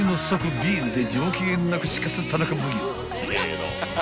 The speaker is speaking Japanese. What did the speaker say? ビールで上機嫌な串カツ田中奉行］